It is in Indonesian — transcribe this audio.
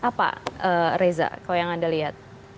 apa reza kalau yang anda lihat